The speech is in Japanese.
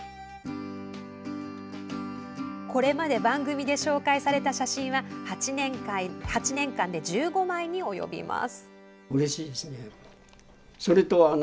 これまで番組で紹介された写真は８年間で１５枚に及びます。